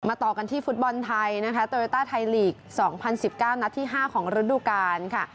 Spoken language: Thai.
มาต่อกันที่ฟุตบอลไทยนะคะโตเวตต้าไทยลีกสองพันสิบเก้านัดที่ห้าของฤดูกาลค่ะ